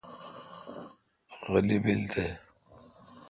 غلی بیل تے۔